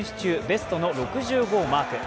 ベストの６５をマーク。